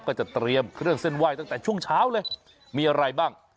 ก็จะเตรียมเครื่องเส้นไหว้ตั้งแต่ช่วงเช้าเลยมีอะไรบ้าง